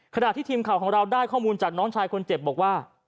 ขณะที่ทีมข่าวของเราได้ข้อมูลจากน้องชายคนเจ็บบอกว่า